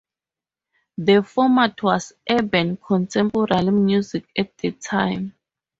The format was urban contemporary music at the time.